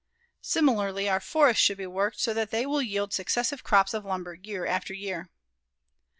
Similarly, our forests should be worked so that they will yield successive crops of lumber year after year.